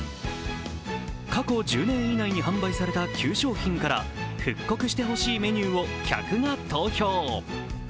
過去１０年以内に販売された９商品から復刻してほしいメニューを客が投票。